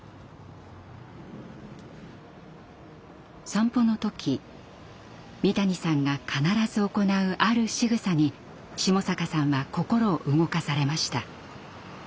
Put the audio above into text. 散歩の時三谷さんが必ず行うあるしぐさに下坂さんは心動かされました。